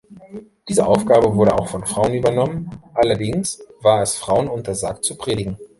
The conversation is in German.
Diese Aufgabe wurde auch von Frauen übernommen; allerdings war es Frauen untersagt zu predigen.